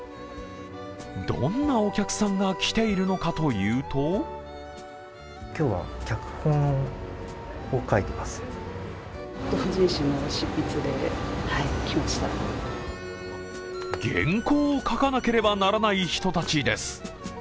どんなお客さんが来ているのかというと原稿を書かなければならない人たちです。